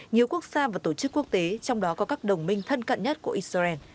nhiều quốc gia và tổ chức quốc tế trong đó có các đồng minh thân cận nhất của israel